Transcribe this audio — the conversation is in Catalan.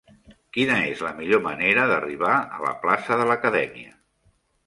Quina és la millor manera d'arribar a la plaça de l'Acadèmia?